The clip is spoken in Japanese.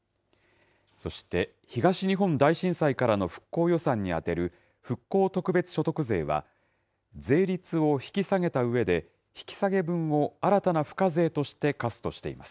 そして、東日本大震災からの復興予算に充てる復興特別所得税は、税率を引き下げたうえで、引き下げ分を新たな付加税として課すとしています。